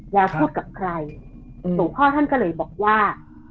พูดกับใครหลวงพ่อท่านก็เลยบอกว่า